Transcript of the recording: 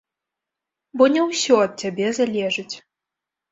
Бо не ўсё ад цябе залежыць.